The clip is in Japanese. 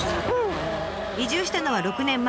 移住したのは６年前。